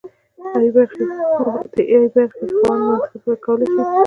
د ای برخې خاوند منطقي فکر کولی شي.